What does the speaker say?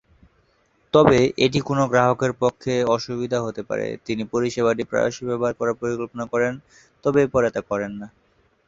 তবে, এটি কোনও গ্রাহকের পক্ষে অসুবিধা হতে পারে, যিনি পরিষেবাটি প্রায়শই ব্যবহার করার পরিকল্পনা করেন তবে পরে তা করেন না।